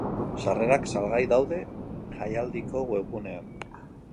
Sarrerak salgai daude jaialdiko webgunean.